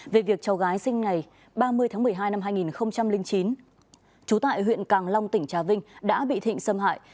về việc cháu gái sinh ngày ba mươi tháng một mươi hai năm hai nghìn chín trú tại huyện càng long tỉnh trà vinh đã bị thịnh xâm hại